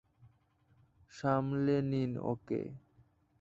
সামলে নিন ওকে।